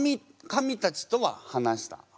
神たちとは話した？